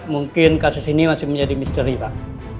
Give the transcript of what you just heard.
mungkin kasus ini masih menjadi misteri pak